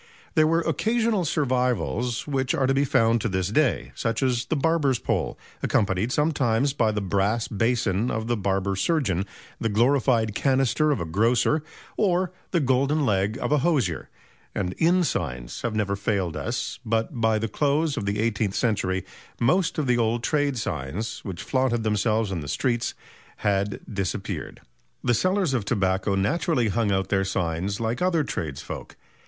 There were occasional survivals which are to be found to this day, such as the barber's pole, accompanied sometimes by the brass basin of the barber surgeon, the glorified canister of a grocer or the golden leg of a hosier; and inn signs have never failed us; but by the close of the eighteenth century most of the old trade signs which flaunted themselves in the streets had disappeared. The sellers of tobacco naturally hung out their signs like other tradesfolk.